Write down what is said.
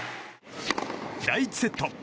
第１セット。